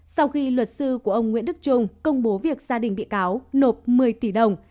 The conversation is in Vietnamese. sau khi luật sư của ông nguyễn đức trung công bố việc gia đình bị cáo nộp một mươi tỷ đồng